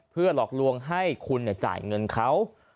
เพื่อหลอกลวงให้คุณจ่ายเงินเขา